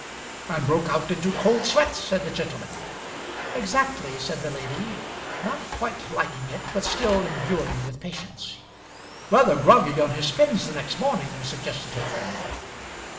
"And broke out into cold sweats," said the gentleman. "Exactly," said the lady, not quite liking it, but still enduring with patience. "Rather groggy on his pins the next morning?" suggested her friend.